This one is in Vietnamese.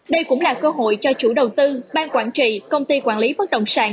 đây cũng là cơ hội cho chủ đầu tư bang quản trị công ty quản lý bất động sản